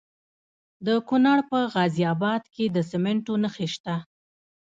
د کونړ په غازي اباد کې د سمنټو مواد شته.